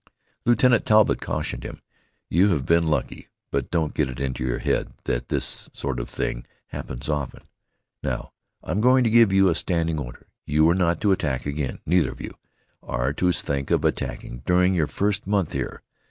Lieutenant Talbott cautioned him. "You have been lucky, but don't get it into your head that this sort of thing happens often. Now, I'm going to give you a standing order. You are not to attack again, neither of you are to think of attacking, during your first month here.